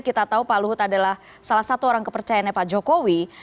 kita tahu pak luhut adalah salah satu orang kepercayaannya pak jokowi